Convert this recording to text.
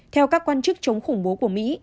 theo các quan chức chống khủng bố của mỹ